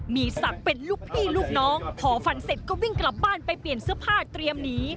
มีศักดิ์เป็นลูกพี่ลูกน้องพอฟันเสร็จก็วิ่งกลับบ้านไปเปลี่ยนเสื้อผ้าเตรียมหนี